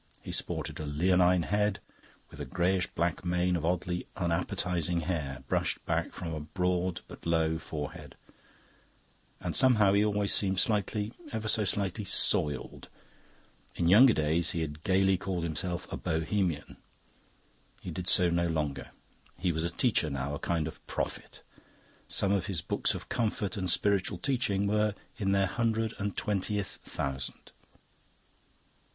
He sported a leonine head with a greyish black mane of oddly unappetising hair brushed back from a broad but low forehead. And somehow he always seemed slightly, ever so slightly, soiled. In younger days he had gaily called himself a Bohemian. He did so no longer. He was a teacher now, a kind of prophet. Some of his books of comfort and spiritual teaching were in their hundred and twentieth thousand.